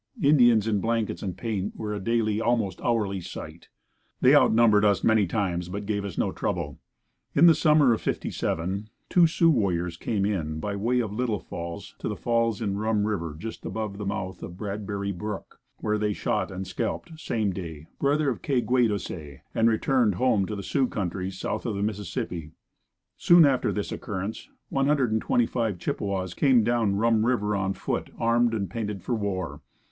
Indians in blankets and paint were a daily, almost hourly sight. They outnumbered us many times, but gave us no trouble. In the summer of '57 two Sioux warriors came in by the way of Little Falls to the falls in Rum river just above the mouth of Bradbury brook, where they shot and scalped "Same Day" brother of Kay gway do say and returned home to the Sioux country south of the Mississippi. Soon after this occurrence one hundred and twenty five Chippewas came down Rum river on foot armed and painted for war.